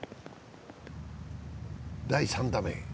第３打目。